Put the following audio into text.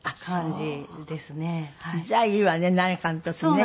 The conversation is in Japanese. じゃあいいわね何かの時ね。